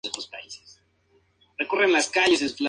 El gas obtenido sirve para el gas de cocina y la iluminación.